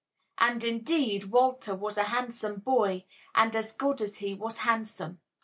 And, indeed, Walter was a handsome boy, and as good as he was handsome.